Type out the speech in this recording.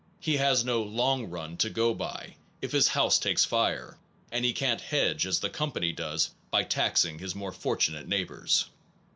He has no long run to go by, if his house takes fire, and he can t hedge as the company does, by taxing his more fortunate neigh bors.